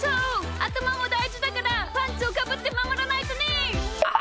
あたまもだいじだからパンツをかぶってまもらないとね！